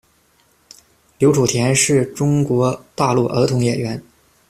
刘楚恬是中国大陆儿童演员。